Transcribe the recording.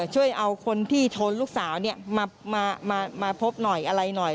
ช่วยเอาคนที่ชนลูกสาวมาพบหน่อยอะไรหน่อย